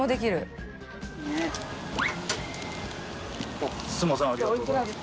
錣すいませんありがとうございます。